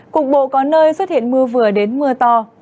cục bộ có nơi xuất hiện mưa vừa đến mưa to